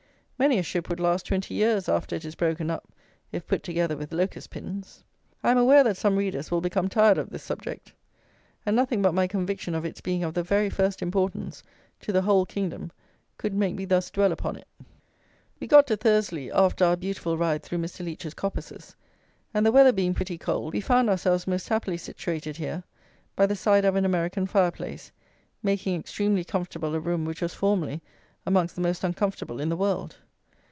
Many a ship would last twenty years after it is broken up, if put together with locust pins. I am aware that some readers will become tired of this subject; and, nothing but my conviction of its being of the very first importance to the whole kingdom could make me thus dwell upon it. We got to Thursley after our beautiful ride through Mr. Leech's coppices, and the weather being pretty cold, we found ourselves most happily situated here by the side of an American fire place, making extremely comfortable a room which was formerly amongst the most uncomfortable in the world.